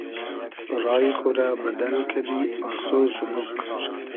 رای خو رۂ بئدئل کئدی آسۉ سوبوگ